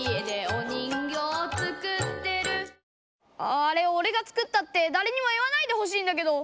あああれおれが作ったってだれにも言わないでほしいんだけど。